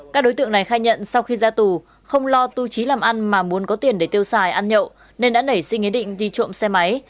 các đối tượng này khai nhận sau khi ra tù không lo tu trí làm ăn mà muốn có tiền để tiêu xài ăn nhậu nên đã nảy sinh ý định đi trộm xe máy